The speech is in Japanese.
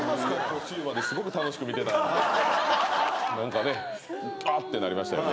途中まですごく楽しく見てたんですけど。